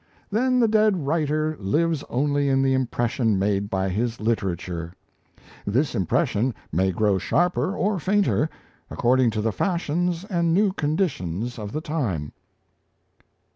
Then the dead writer lives only in the impression made by his literature; this impression may grow sharper or fainter according to the fashions and new conditions of the time."